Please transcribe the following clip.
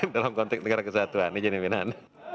dalam konteks negara kesatuan izin pimpinan